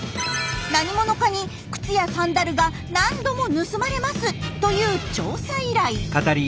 「何者かに靴やサンダルが何度も盗まれます」という調査依頼。